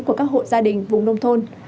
của các hộ gia đình vùng nông thôn